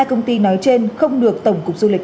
hai công ty nói trên không được tổng cục du lịch